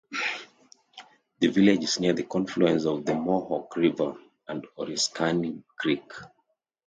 The village is near the confluence of the Mohawk River and Oriskany Creek.